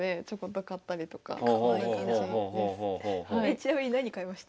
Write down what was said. ちなみに何買いました？